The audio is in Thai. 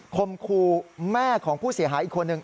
คมคู่แม่ของผู้เสียหายอีกคนนึง